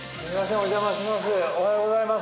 お邪魔します